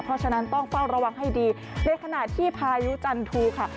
เพราะฉะนั้นต้องเฝ้าระวังให้ดีในขณะที่พายุจันทูค่ะ